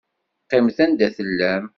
Qqimet anda tellam.